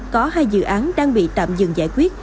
có hai dự án đang bị tạm dừng giải quyết